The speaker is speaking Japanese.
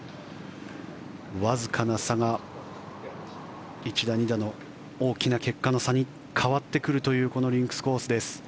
わずかな差が１打、２打の大きな結果の差に変わってくるというこのリンクスコースです。